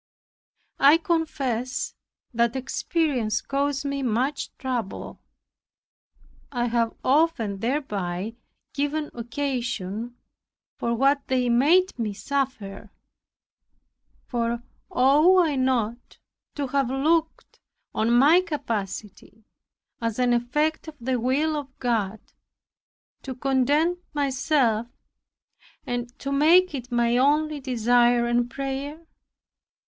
I confess that inexperience caused me much trouble. I have often thereby given occasion for what they made me suffer. For ought I not to have looked on my captivity as an effect of the will of my God, to content myself and to make it my only desire and prayer?